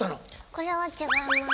これは違います。